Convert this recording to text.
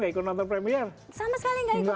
gak ikut nonton premiere sama sekali gak ikut